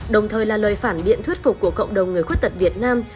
đồng thời là lời phản biện thuyết phục của cộng đồng người khuyết tật việt nam